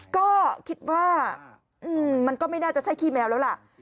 ก็คิดว่ามันก็ไม่น่าจะใช่ขี้แมวแล้วล่ะ